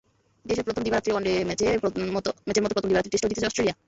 ইতিহাসের প্রথম দিবারাত্রির ওয়ানডে ম্যাচের মতো প্রথম দিবারাত্রির টেস্টটাও জিতেছে অস্ট্রেলিয়া।